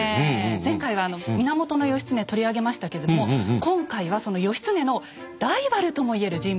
前回は源義経取り上げましたけども今回はその義経のライバルとも言える人物です。